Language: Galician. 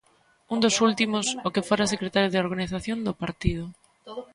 Un dos últimos, o que fora secretario de Organización do partido.